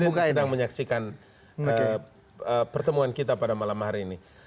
mungkin sedang menyaksikan pertemuan kita pada malam hari ini